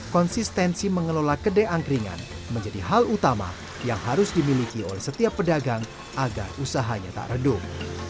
konsistensi mengelola kedai angkringan menjadi hal utama yang harus dimiliki oleh setiap pedagang agar usahanya tak redup